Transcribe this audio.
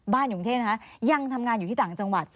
บ้านหยุงเทศนะคะ